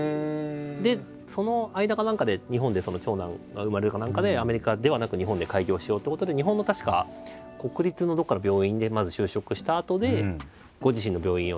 でその間か何かで日本で長男が生まれるか何かでアメリカではなく日本で開業しようってことで日本の確か国立のどこかの病院でまず就職したあとでご自身の病院を作り